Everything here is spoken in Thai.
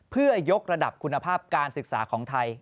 เพื่อยกระดับคุณภาพการศึกษาของไทย